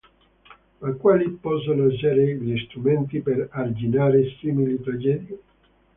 Ma quali possono essere gli strumenti per arginare simili tragedie?